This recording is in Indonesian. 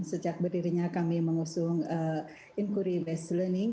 sejak berdirinya kami mengusung inquiry based learning